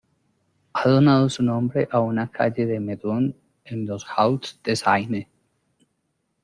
Ha donado su nombre a una calle de Meudon en los Hauts-de-Seine.